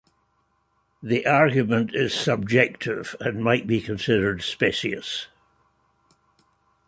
The argument is subjective and might be considered specious.